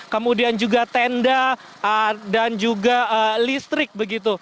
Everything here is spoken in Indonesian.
kemudian juga tenda dan juga listrik begitu